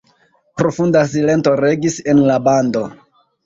Profunda silento regis en la bando.